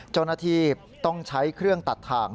เจ้าหน้าที่ต้องใช้เครื่องตัดทาง